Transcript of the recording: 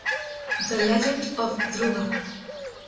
THE LEGEND OF DHRUVA.